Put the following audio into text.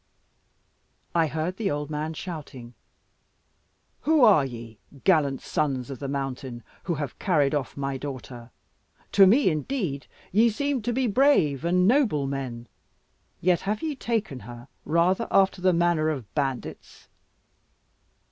I heard the old man shouting, "Who are ye gallant sons of the mountain, who have carried off my daughter? To me, indeed, ye seem to be brave and noble men, yet have ye taken her rather after the manner of bandits.